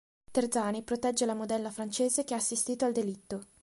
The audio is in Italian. Terzani protegge la modella francese che ha assistito al delitto.